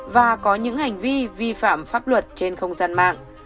và có những hành vi vi phạm pháp luật trên không gian mạng